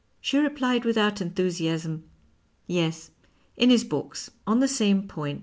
She replied without enthusiasm :" Yes, in his books." On the same point, M.